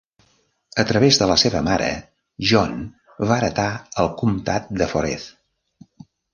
A través de la seva mare, John va heretar el comtat de Forez.